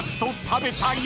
食べたい。